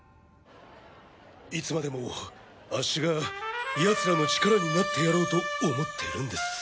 いつまでもアッシがヤツらの力になってやろうと思ってるんです。